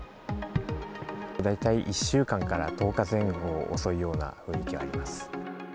大体１週間から１０日前後遅いような雰囲気はあります。